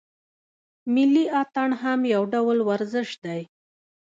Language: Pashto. ملي اتڼ هم یو ډول ورزش دی.